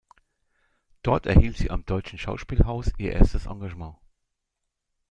Dort erhielt sie am Deutschen Schauspielhaus ihr erstes Engagement.